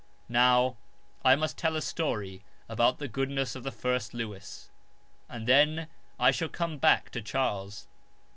Now I must tell a story about the goodness of the first Lewis, and then I shall come back to Charles.